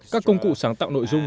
các công cụ sáng tạo nội dung